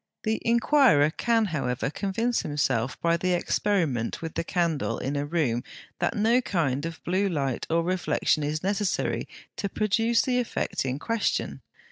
The inquirer can, however, convince himself, by the experiment with the candle in a room, that no kind of blue light or reflection is necessary to produce the effect in question.